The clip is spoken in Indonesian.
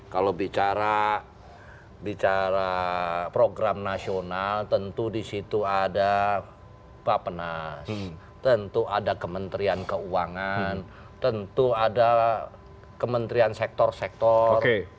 kalau bicara program nasional tentu di situ ada bapak penas tentu ada kementerian keuangan tentu ada kementerian sektor sektor